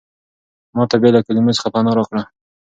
ما ته بې له کلمو څخه پناه راکړه.